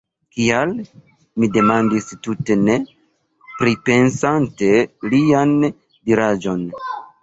Kial? mi demandis tute ne pripensante lian diraĵon.